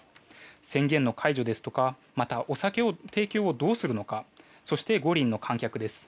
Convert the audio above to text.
宣言の解除やお酒の提供をどうするのかそして、五輪の観客です。